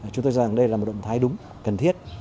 chúng tôi cho rằng đây là một động thái đúng cần thiết